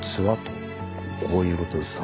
こういうことでした。